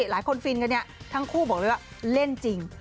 ฟินกันเนี่ยทั้งคู่บอกเลยว่าเล่นจริง